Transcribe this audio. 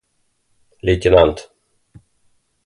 лейтенант